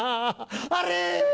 あれ！